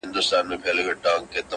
که هر څو خلګ ږغېږي چي بدرنګ یم.